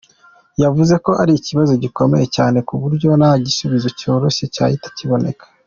Yavuze ko ari ikibazo gikomeye cyane ku buryo nta gisubizo cyoroshye cyahita kiboneka.